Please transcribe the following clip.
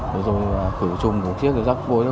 rồi rồi khử trùng một chiếc rắc vối đó